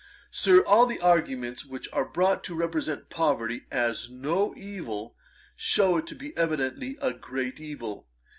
Sir, all the arguments which are brought to represent poverty as no evil, shew it to be evidently a great evil.